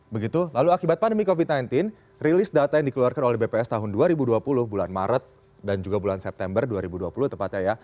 begitu lalu akibat pandemi covid sembilan belas rilis data yang dikeluarkan oleh bps tahun dua ribu dua puluh bulan maret dan juga bulan september dua ribu dua puluh tepatnya ya